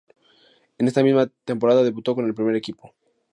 En esta misma temporada debutó con el primer equipo.